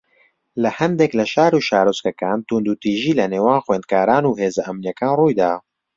لە ھەندێک لە شار و شارۆچکەکان توندوتیژی لەنێوان خوێندکاران و هێزە ئەمنییەکان ڕووی دا